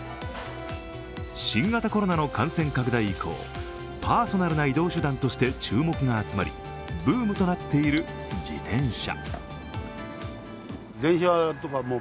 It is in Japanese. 新型コロナの感染拡大以降、パーソナルな移動手段として注目が集まりブームとなっている自転車。